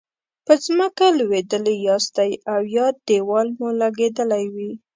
په ځمکه لویدلي یاستئ او یا دیوال مو لګیدلی وي.